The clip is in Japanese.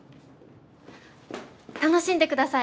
楽しんで下さい！